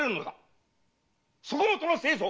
そこもとのせいぞ！